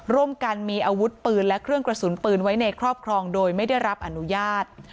ร่วมกันมีอาวุธปืนและเครื่องกระสุนปืนไว้ในครอบครองโดยไม่ได้รับอนุญาต